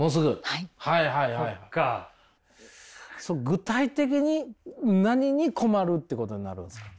具体的に何に困るっていうことになるんですか？